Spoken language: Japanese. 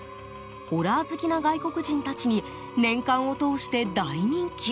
ホラー好きな外国人たちに年間を通して大人気。